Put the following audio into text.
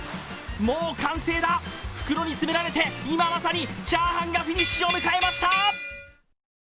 もう完成だ、袋に詰められて今まさにチャーハンがフィニッシュを迎えました！